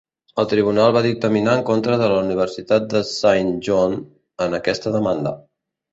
El tribunal va dictaminar en contra de la Universitat de Saint John en aquesta demanda.